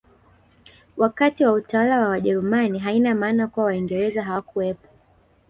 Wakati wa utawala wa wajerumani haina maana kuwa waingereza hawakuwepo